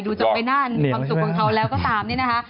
ดูจากใบหน้ามีความสุขของเขาแล้วก็ตามนี่นะคะ